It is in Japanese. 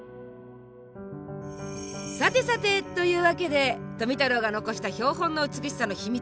さてさてという訳で富太郎が残した標本の美しさの秘密を解き明かす